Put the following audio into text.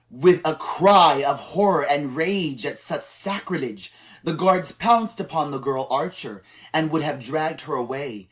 With a cry of horror and of rage at such sacrilege, the guards pounced upon the girl archer, and would have dragged her away.